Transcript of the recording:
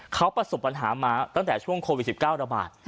เขาประสบปัญหามาตั้งแต่ช่วงโควิด๑๙ระบาด